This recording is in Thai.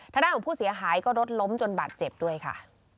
ทางด้านของผู้เสียหายก็รถล้มจนบาดเจ็บด้วยค่ะ